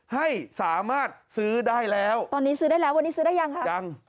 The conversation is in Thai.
ให้สามารถซื้อได้แล้วตอนนี้ซื้อได้แล้ววันนี้ซื้อได้ยังค่ะยัง